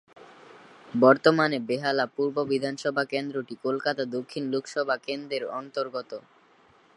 বর্তমানে বেহালা পূর্ব বিধানসভা কেন্দ্রটি কলকাতা দক্ষিণ লোকসভা কেন্দ্রের অন্তর্গত।